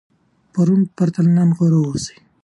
د پرون په پرتله نن غوره اوسئ.